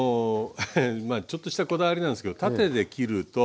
まあちょっとしたこだわりなんですけど縦で切ると。